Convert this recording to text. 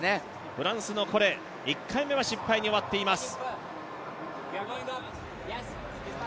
フランスのコレ、１回目は失敗に終わっています。